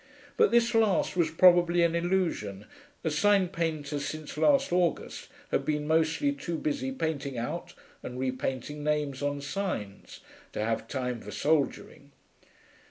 But this last was probably an illusion, as sign painters since last August had been mostly too busy painting out and repainting names on signs to have time for soldiering.